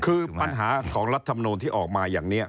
คือปัญหาของรัฐมนูลที่ออกมาอย่างนี้